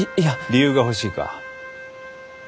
理由が欲しいか？